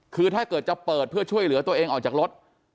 คือถ้าเกิดจะเปิดเพื่อช่วยเหลือตัวเองออกจากรถ